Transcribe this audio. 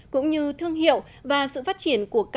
cũng như thương hiệu và sự phát triển của các doanh nghiệp